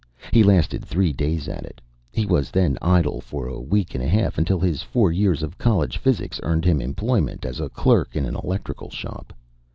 He lasted three days at it; he was then idle for a week and a half until his four years of college physics earned him employment as a clerk in an electrical shop.